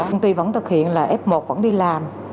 công ty vẫn thực hiện là f một vẫn đi làm